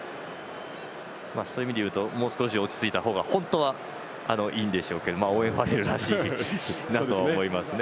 そういう意味で言うともう少し落ち着いた方が本当はいいんでしょうけどオーウェン・ファレルらしいなと思いますね。